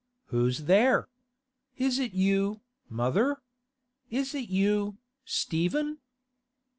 'Who's there? Is it you, mother? Is it you, Stephen?